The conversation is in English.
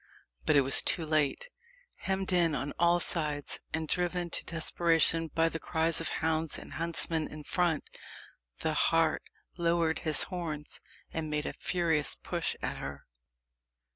But it was too late. Hemmed in on all sides, and driven to desperation by the cries of hounds and huntsmen in front, the hart lowered his horns, and made a furious push at her.